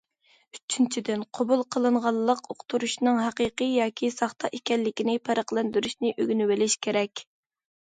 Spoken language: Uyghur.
ئۈچىنچىدىن، قوبۇل قىلىنغانلىق ئۇقتۇرۇشىنىڭ ھەقىقىي ياكى ساختا ئىكەنلىكىنى پەرقلەندۈرۈشنى ئۆگىنىۋېلىش كېرەك.